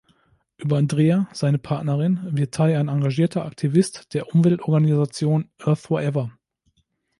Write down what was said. Über Andrea, seine Partnerin, wird Ty ein engagierter Aktivist der Umweltorganisation "Earth Forever!